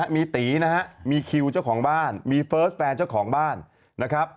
มีตีนะฮะมีคิวเจ้าของบ้านมีเฟิร์สแฟนเจ้าของบ้านนะครับ